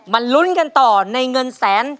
ลุ้นกันต่อในเงินแสน